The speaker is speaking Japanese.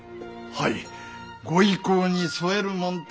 はい。